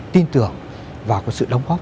tin tưởng và có sự đóng góp